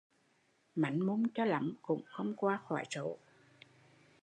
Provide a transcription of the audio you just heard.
Mánh mung cho lắm cũng không qua khỏi số